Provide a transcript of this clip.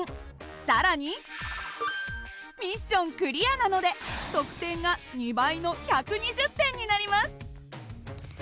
更にミッションクリアなので得点が２倍の１２０点になります。